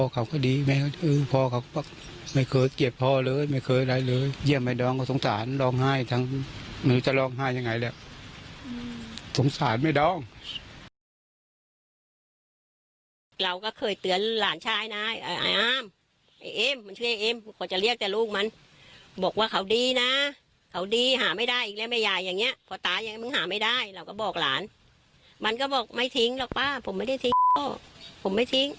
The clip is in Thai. เขาก็ดีแม่ก็เออพ่อเขาก็ไม่เคยเกียจพ่อเลยไม่เคยอะไรเลยเยี่ยมแม่ดองก็สงสารร้องไห้ทั้งมันจะร้องไห้ยังไงแหละอืมสงสารแม่ดองเราก็เคยเตือนหลานชายน่ะไอ้อ้ามไอ้เอ้มมันชื่อไอ้เอ้มควรจะเรียกแต่ลูกมันบอกว่าเขาดีน่ะเขาดีหาไม่ได้อีกแล้วแม่ยายอย่างเงี้ยพอตายยังไม่หาไม่ได้